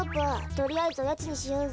とりあえずおやつにしようぜ。